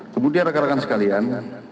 kemudian rekan rekan sekalian